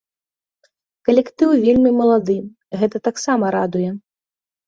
Калектыў вельмі малады, гэта таксама радуе.